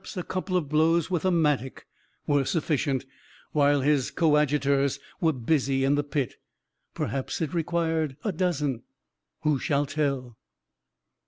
Perhaps a couple of blows with a mattock were sufficient, while his coadjutors were busy in the pit; perhaps it required a dozen who shall tell?"